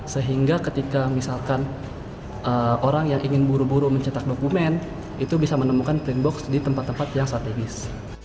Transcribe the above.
sehingga ketika misalkan orang yang ingin buru buru mencetak dokumen itu bisa menemukan print box di tempat tempat yang strategis